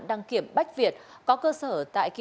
đăng kiểm bách việt có cơ sở tại km bốn mươi tám bốn trăm năm mươi